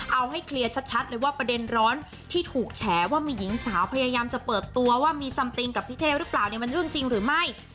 เอาให้เคลียร์ชัดเลยว่าประเด็นร้อนที่ถูกแฉว่ามีหญิงสาวพยายามจะเปิดตัวว่ามีซัมติงกับพี่เท่หรือเปล่าเนี่ยมันเรื่องจริงหรือไม่